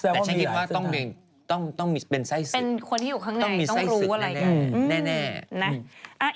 แต่ฉันคิดว่าต้องเป็นใส่ศึกเป็นคนที่อยู่ข้างในต้องรู้อะไรอย่างนี้